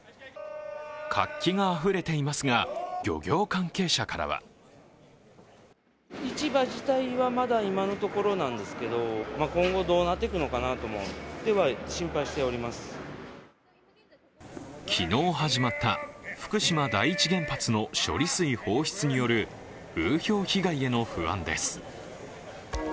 活気があふれていますが漁業関係者からは昨日始まった福島第一原発の処理水放出による風評被害への不安です。